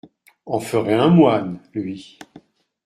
En ferait un moine, lui…